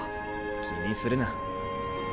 気にするな。